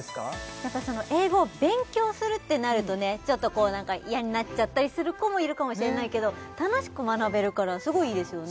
やっぱ英語を勉強するってなるとねちょっと嫌になっちゃったりする子もいるかもしれないけど楽しく学べるからすごいいいですよね